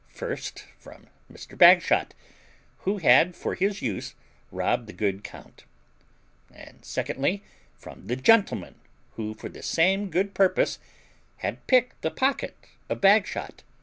first, from Mr. Bagshot, who had for his use robbed the count; and, secondly, from the gentleman, who, for the same good purpose, had picked the pocket of Bagshot.